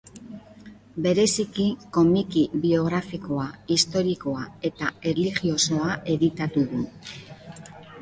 Bereziki Komiki biografikoa, historikoa eta erlijiosoa editatu du.